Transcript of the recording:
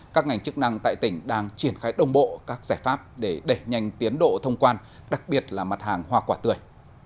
các ngành chức năng tại tỉnh đang triển khai đồng bộ các giải pháp để đẩy nhanh tiến độ thông quan đặc biệt là mặt hàng hoa quả tươi